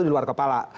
di luar kepala